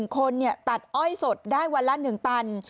๑คนตัดอ้อยสดได้วันละ๑ตัน